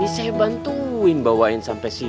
saya bantuin bawain sampai sini